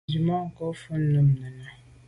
Tswemanko’ vù mum nenà.